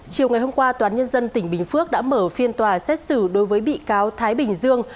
chiều ngày hôm qua toán nhân dân tỉnh bình phước đã mở phiên tòa xét xử đối với bị cáo thái bình dương